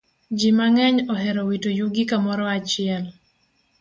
Ji mang'eny ohero wito yugi kamoro achiel.